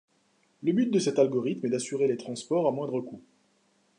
Le but de cet algorithme est d'assurer les transports à moindre coût.